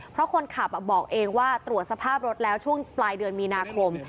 เพราะคนขับบอกเองว่าตรวจสภาพรถแล้วช่วงปลายเดือนมีนาคม